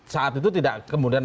saat itu tidak kemudian